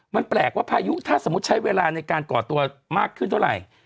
มันแปลกว่าพายุถ้าสมมุติใช้เวลาในการก่อตัวมากขึ้นเท่าไหร่